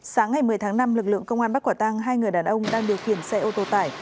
sáng ngày một mươi tháng năm lực lượng công an bắt quả tăng hai người đàn ông đang điều khiển xe ô tô tải